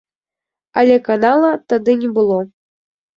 Але канала тады не было.